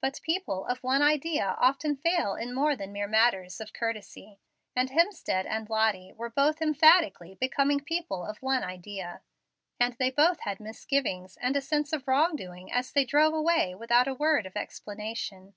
But people of one idea often fail in more than mere matters of courtesy; and Hemstead and Lottie were emphatically becoming people of one idea. And they both had misgivings and a sense of wrong doing as they drove away without a word of explanation.